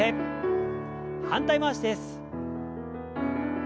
反対回しです。